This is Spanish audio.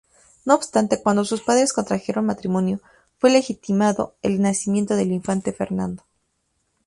No obstante, cuando sus padres contrajeron matrimonio, fue legitimado el nacimiento del infante Fernando.